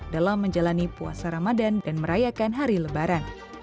dalam menjalani puasa ramadan dan merayakan hari lebaran